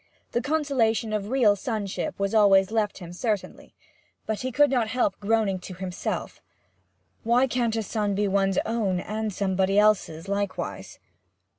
The consolation of real sonship was always left him certainly; but he could not help groaning to himself, 'Why cannot a son be one's own and somebody else's likewise!'